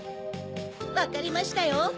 わかりましたよ！